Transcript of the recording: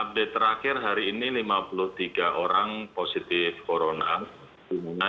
update terakhir hari ini lima puluh tiga orang positif corona